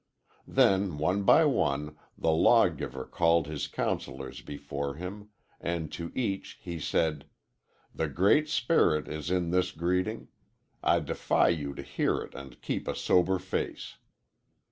"Then, one by one, the law giver called his councillors before him, and to each he said: 'The Great Spirit is in this greeting. I defy you to hear it and keep a sober face.'